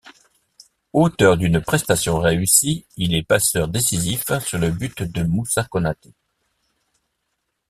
Auteur d'une prestation réussie, il est passeur décisif sur le but de Moussa Konaté.